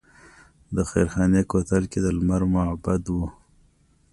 د خیرخانې کوتل کې د لمر معبد و